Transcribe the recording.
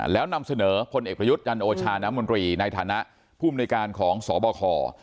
แล้วนำเสนอพลเอกประยุทธ์จันโอชาน้ำมนตรีในฐานะผู้มนุยการของสบค